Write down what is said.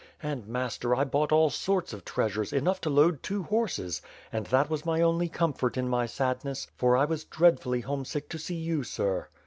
And, master, I bought all sorts of treasures, enough to load two horses; and that was my only comfort in my sadness, for I was dreadfully homesick to see you, sir."